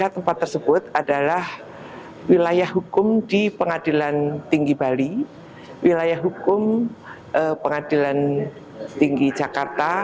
tiga tempat tersebut adalah wilayah hukum di pengadilan tinggi bali wilayah hukum pengadilan tinggi jakarta